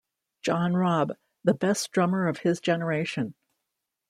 John Robb: The best drummer of his generation.